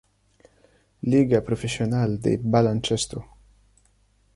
Liga Profesional de Baloncesto